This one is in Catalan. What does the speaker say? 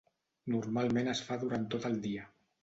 Normalment es fa durant tot el dia.